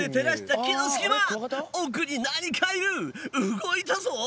動いたぞ！